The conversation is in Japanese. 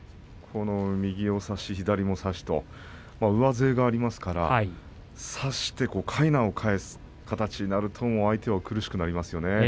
右を差し左も差し上背がありますから差して、かいなを返す形になると相手が苦しくなりますよね。